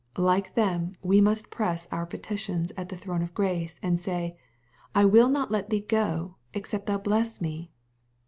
Like them we must press our petitions at the throne of grace, and say, " I will not let thee go, except thou bless me."